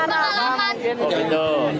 agar dapat pengalaman